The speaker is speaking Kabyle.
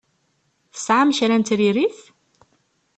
Tesɛam kra n tiririt?